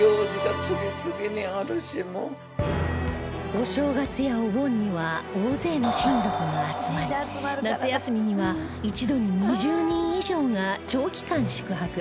お正月やお盆には大勢の親族が集まり夏休みには一度に２０人以上が長期間宿泊